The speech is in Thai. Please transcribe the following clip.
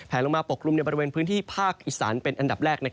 ลงมาปกกลุ่มในบริเวณพื้นที่ภาคอีสานเป็นอันดับแรก